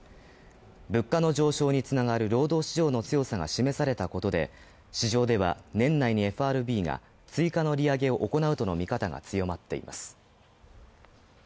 物価の上昇につながる労働市場の強さが示されたたことで市場では年内にＦＲＢが追加の利上げを行うとの見方が強まっています。